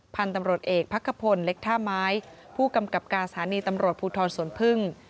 พันธุ์ตำรวจเอกพักขพลเล็กท่าไม้ผู้กำกับการสถานีตำรวจภูทรสวนพึ่ง